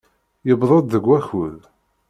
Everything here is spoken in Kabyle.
Yewweḍ-d deg wakud.